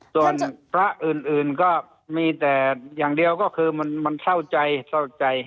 ส่วนพระอื่นก็มีแต่อย่างเดียวก็คือมันเศร้าใจเศร้าใจ